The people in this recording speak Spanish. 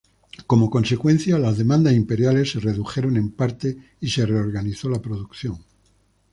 Como consecuencia, las demandas imperiales se redujeron en parte, y se reorganizó la producción.